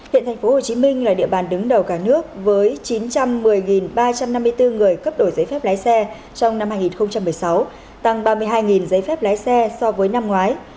hiện tp hcm là địa bàn đứng đầu cả nước với chín trăm một mươi ba trăm năm mươi bốn người cấp đổi giấy phép lái xe trong năm hai nghìn một mươi sáu tăng ba mươi hai giấy phép lái xe so với năm ngoái